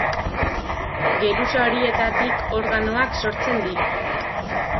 Geruza horietatik organoak sortzen dira.